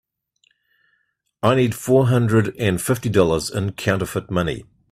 I need four hundred and fifty dollars in counterfeit money.